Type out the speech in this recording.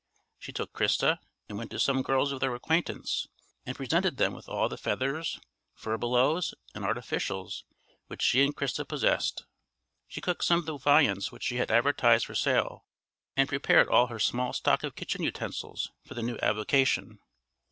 She took Christa and went to some girls of their acquaintance, and presented them with all the feathers, furbelows, and artificials which she and Christa possessed. She cooked some of the viands which she had advertised for sale, and prepared all her small stock of kitchen utensils for the new avocation.